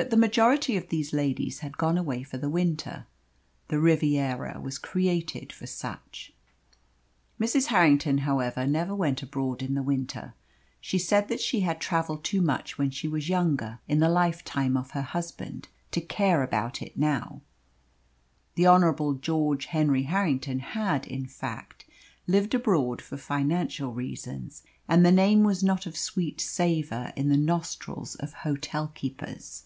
But the majority of these ladies had gone away for the winter. The Riviera was created for such. Mrs. Harrington, however, never went abroad in the winter. She said that she had travelled too much when she was younger in the lifetime of her husband to care about it now. The Honourable George Henry Harrington had, in fact, lived abroad for financial reasons, and the name was not of sweet savour in the nostrils of hotel keepers.